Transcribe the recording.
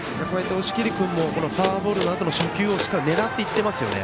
押切君もフォアボールのあとの初球をしっかり狙っていってますよね。